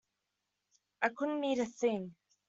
I couldn't eat a thing.